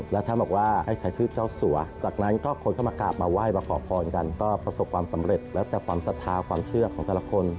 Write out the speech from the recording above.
แล้วท่านบอกว่าให้ใช้ชื่อเจ้าสัวจากนั้นก็คนเข้ามากราบมาไหว้มาขอพรกันก็ประสบความสำเร็จแล้วแต่ความศรัทธาความเชื่อของแต่ละคน